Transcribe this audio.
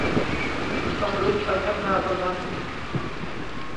ต้องรุกไปข้างหน้าเท่านั้น